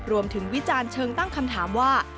วิจารณ์เชิงตั้งคำถามว่า